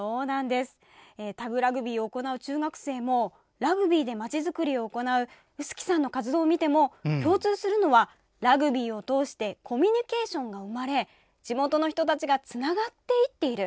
タグラグビーを行う中学生もラグビーで街づくりを行う臼杵さんの活動を見ても共通するのはラグビーを通してコミュニケーションが生まれ地元の人たちがつながっている。